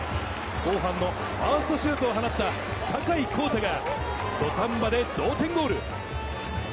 後半のファーストシュートを放った坂井航太が土壇場で同点ゴール。